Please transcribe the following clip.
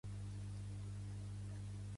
Va ser el punt d'inflexió de la meva vida.